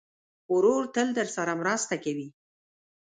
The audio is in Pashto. ورور تل درسره مرسته کوي.